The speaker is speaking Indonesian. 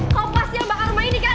kau pasti yang bakal rumah ini kan